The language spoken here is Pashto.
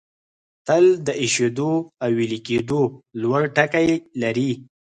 تل د ایشېدو او ویلي کېدو لوړ ټکي لري.